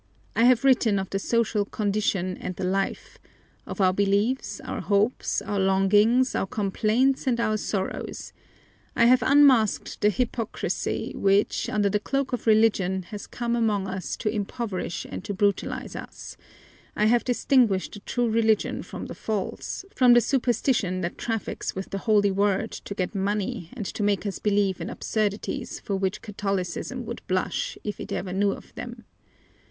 I have written of the social condition and the life, of our beliefs, our hopes, our longings, our complaints, and our sorrows; I have unmasked the hypocrisy which, under the cloak of religion, has come among us to impoverish and to brutalize us, I have distinguished the true religion from the false, from the superstition that traffics with the holy word to get money and to make us believe in absurdities for which Catholicism would blush, if ever it knew of them.